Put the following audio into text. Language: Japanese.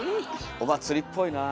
お祭りっぽいなあ。